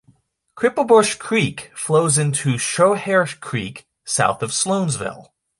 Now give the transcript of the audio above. Cripplebush Creek flows into Schoharie Creek south of Sloansville.